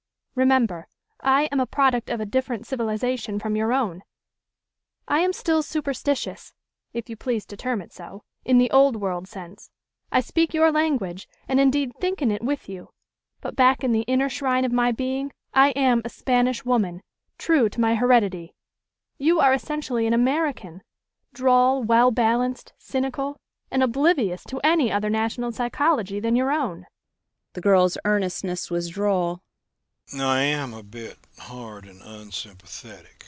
Remember, I am a product of a different civilization from your own: I am still superstitious, if you please to term it so, in the Old World sense. I speak your language, and indeed think in it with you. But back in the inner shrine of my being I am a Spanish woman, true to my heredity. You are essentially an American droll, well balanced, cynical and oblivious to any other national psychology than your own." The girl's earnestness was droll.